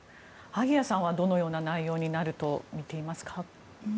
萩谷さんはどのような内容になると見ていますか？